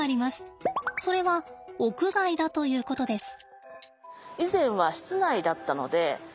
それは屋外だということです。